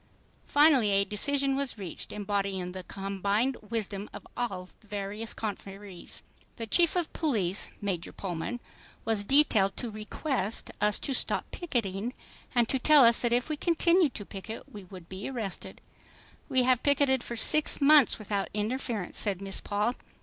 Finally a decision was reached embodying the combined wisdom of all the various conferees. The Chief of Police, Major Pullman, was detailed to "request" us to stop "picketing" and to tell us that if we continued to picket, we would be arrested._ "We have picketed for six months without interference," said Miss Paul.